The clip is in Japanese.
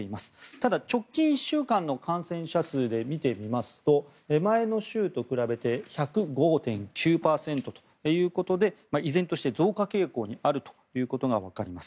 ただ、直近１週間の感染者数で見てみますと前の週と比べて１０５．９％ということで依然として増加傾向にあるということがわかります。